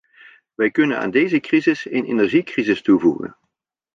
Wij kunnen aan deze crises een energiecrisis toevoegen.